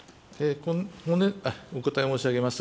お答え申し上げます。